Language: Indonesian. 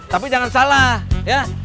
tapi jangan salah ya